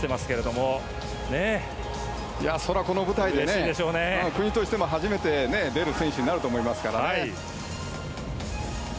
この舞台で国としても初めて出る選手になると思いますからね。